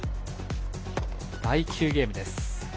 第９ゲームです。